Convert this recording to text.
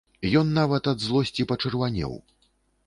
Ён нават ад злосці пачырванеў.